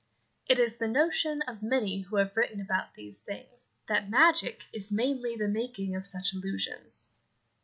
It is the notion of many who have written about these things that magic is mainly the making of such illusions.